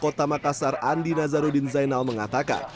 kota makassar andi nazarudin zainal mengatakan